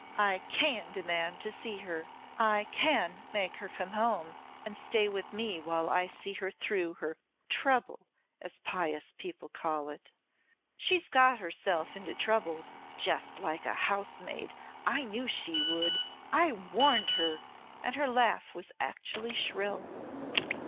I can demand to see her. I can make her come home and stay with me while I see her through her 'trouble,' as pious people call it. She's got herself into trouble just like a housemaid. I knew she would I warned her," and her laugh was actually shrill.